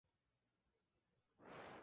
Él quiere que sea como una más de la familia.